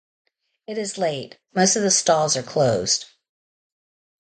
It is late; most of the stalls are closed.